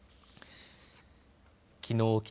きのう